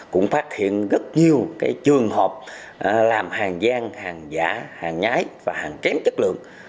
cũng phát hiện rất nhiều trường hợp làm hàng giang hàng giả hàng nhái và hàng kém chất lượng